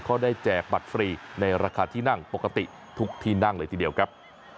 เขาได้แจกบัตรฟรีในราคาที่นั่งปกติทุกที่นั่งเลยทีเดียวครับ